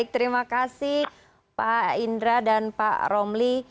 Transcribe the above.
terima kasih pak indra dan pak romli